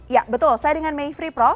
ya betul saya dengan mayfrey prof